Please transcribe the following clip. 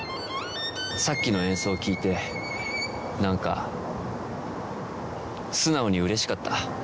さっきの演奏聴いて何か素直にうれしかった。